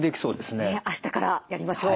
ねっ明日からやりましょう！